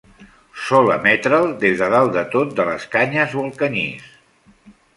Sol emetre'l des de dalt de tot de les canyes o el canyís.